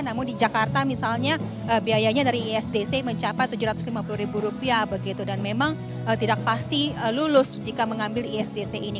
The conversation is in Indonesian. namun di jakarta misalnya biayanya dari isdc mencapai tujuh ratus lima puluh ribu rupiah begitu dan memang tidak pasti lulus jika mengambil isdc ini